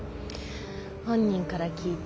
本人から聞いた。